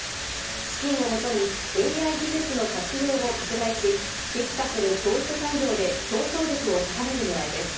資金をもとにＡＩ技術の活用を拡大し、激化する教育産業で競争力を高めるねらいです。